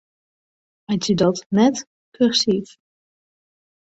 Meitsje dat net kursyf.